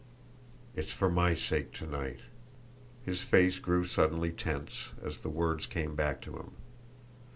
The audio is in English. "It's for my sake to night!" His face grew suddenly tense, as the words came back to him.